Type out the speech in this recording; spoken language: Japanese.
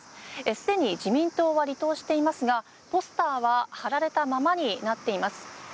すでに自民党は離党していますがポスターは貼られたままになっています。